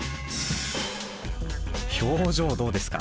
表情どうですか？